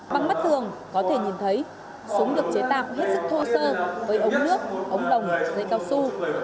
bằng mắt thường có thể nhìn thấy súng được chế tạo hết sức thô sơ với ống nước ống đồng giấy cao su